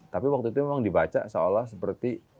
tapi waktu itu memang dibaca seolah seperti